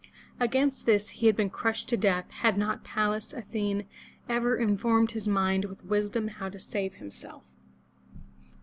Against this he had been crushed to death, had not Pallas Athene ever informed his mind with wisdom how to save himself.